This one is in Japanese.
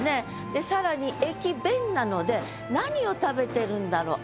で更に「駅弁」なので何を食べてるんだろう？